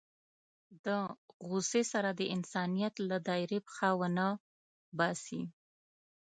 له غوسې سره د انسانيت له دایرې پښه ونه باسي.